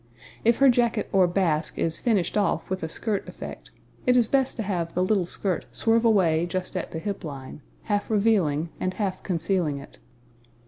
If her jacket or basque is finished off with a skirt effect, it is best to have the little skirt swerve away just at the hip line, half revealing and half concealing it.